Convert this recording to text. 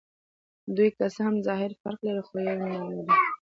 دوی که څه هم ظاهراً فرق لري، خو یوه نوعه دي.